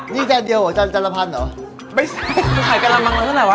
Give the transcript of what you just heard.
นี่จานเดียวหรอจานจานละพันเหรอไม่ใช่ขายกำลังมังแล้วทั้งไหนวะ